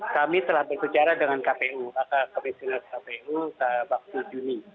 kami telah berbicara dengan kpu komisioner kpu waktu juni